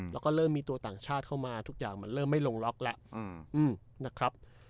แล้วก็เริ่มมีตัวต่างชาติเข้ามาทุกอย่างมันเริ่มไม่ลงล็อกแล้วนะครับ